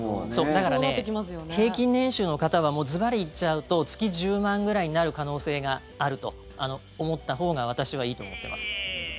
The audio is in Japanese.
だから、平均年収の方はずばり言っちゃうと月１０万円くらいになる可能性があると思ったほうが私はいいと思ってます。